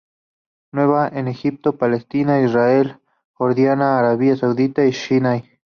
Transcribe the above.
Nativa en Egipto, Palestina, Israel, Jordania, Arabia Saudí y Sinai.